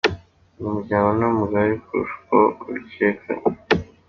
Uyu muryango ni mugali kurusha uko ubikeka.